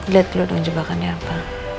lihat dulu dong jebakannya apa